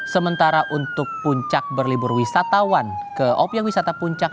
sementara untuk puncak berlibur wisatawan ke obyek wisata puncak